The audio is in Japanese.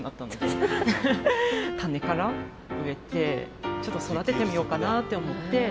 種から植えてちょっと育ててみようかなって思ってはい。